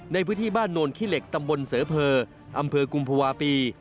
ในพื้นที่บ้านโนนขี้เหล็กตำบลเสเพออำเภอกุมภาวะปี